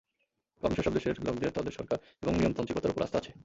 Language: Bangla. কারণ সেসব দেশের লোকদের তাদের সরকার এবং নিয়মতান্ত্রিকতার ওপর আস্থা আছে।